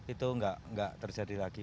itu nggak terjadi lagi